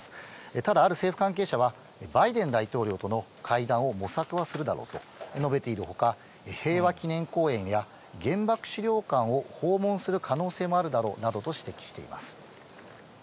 ただ、ある政府関係者は、バイデン大統領との会談を模索はするだろうと述べているほか、平和記念公園や原爆資料館を訪問する可能性もあるだろうなどと指摘しています。